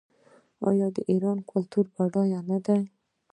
آیا د ایران کلتور بډایه نه دی؟